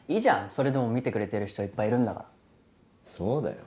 それでも見てくれてる人いっぱいいるんだからそうだよ